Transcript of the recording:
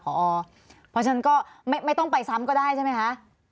เพราะฉะนั้นก็ไม่ต้องไปซ้ำก็ได้ใช่ไหมคะ